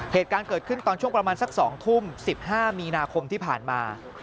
เหตุการณ์เกิดขึ้นตอนช่วงประมาณสัก๒ทุ่ม๑๕มีนาคมที่ผ่านมา